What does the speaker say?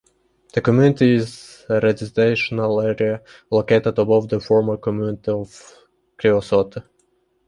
The community is a residential area located above the former community of Creosote.